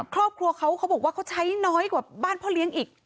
ครอบครัวเขาเขาบอกว่าเขาใช้น้อยกว่าบ้านพ่อเลี้ยงอีก